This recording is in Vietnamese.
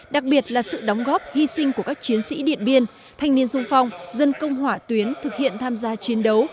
đặc biệt là sự đóng góp hy sinh của các chiến sĩ điện biên thanh niên sung phong dân công hỏa tuyến thực hiện tham gia chiến đấu